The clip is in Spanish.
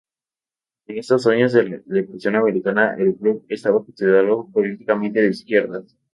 En esos años de la depresión americana el ""Group"" estaba considerado políticamente de izquierdas.